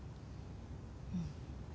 うん。